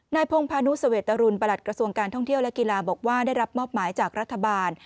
พงพานุสเวตรุลประหลัดกระทรวงการท่องเที่ยวและกีฬาบอกว่าได้รับมอบหมายจากรัฐบาล